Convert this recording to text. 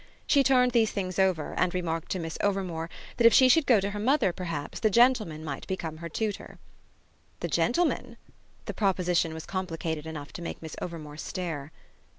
She turned these things over and remarked to Miss Overmore that if she should go to her mother perhaps the gentleman might become her tutor. "The gentleman?" The proposition was complicated enough to make Miss Overmore stare.